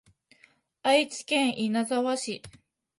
愛知県稲沢市